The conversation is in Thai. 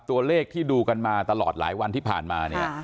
ตัวเลขที่ดูกันมาตลอดหลายวันที่ผ่านมาเนี่ย